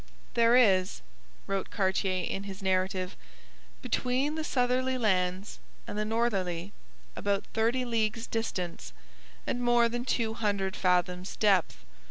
'There is,' wrote Cartier in his narrative, 'between the southerly lands and the northerly about thirty leagues distance and more than two hundred fathoms depth.